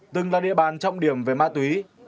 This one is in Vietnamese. từng là địa bàn trọng điểm về ma túy